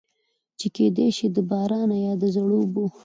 چې کېدے شي د بارانۀ يا د زړو اوبو